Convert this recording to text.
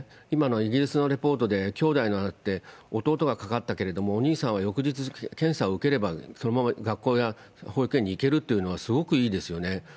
今のイギリスのレポートで、きょうだいがあって、弟がかかったけど、お兄さんは翌日検査を受ければそのまま学校や保育園に行けるっていうのは、すごくいいですよね。